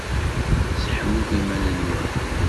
Seḥmut iman-nwen!